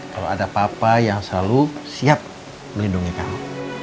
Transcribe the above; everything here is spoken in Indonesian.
kalau ada papa yang selalu siap melindungi kamu